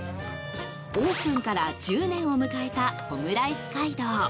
オープンから１０年を迎えたオムライス街道。